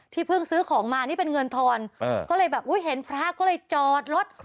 เพิ่งซื้อของมานี่เป็นเงินทอนก็เลยแบบอุ๊ยเห็นพระก็เลยจอดรถ